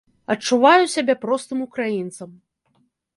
Адчуваю сябе простым украінцам.